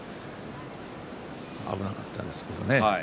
危なかったですけどね。